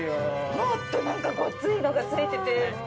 もっとなんかごっついのが付いてて。